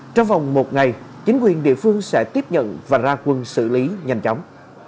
trong vòng một ngày chính quyền địa phương sẽ tiếp nhận và ra quân xử lý nhanh chóng